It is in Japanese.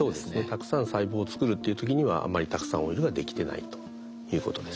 たくさん細胞を作るっていう時にはあんまりたくさんオイルができてないということですね。